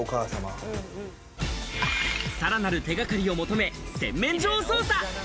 さらなる手掛かりを求め、洗面所を捜査。